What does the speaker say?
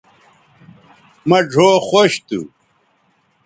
مہ ڙھؤ خوش تھو